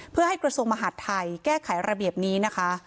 เพื่อให้กระทรวงมหาดไทยแก้ไขระเบียบนี้นะคะ